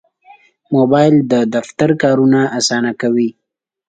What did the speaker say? موبایل د دفتر کارونه اسانه کوي.